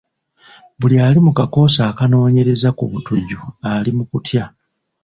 Buli ali mu kakoosi akanoonyereza ku batujju ali mu kutya.